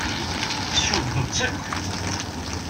Tcuddeḍ-tt akk!